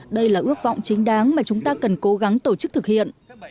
đây là ước vọng chính đáng mà chúng ta cần cố gắng tổ chức thực hiện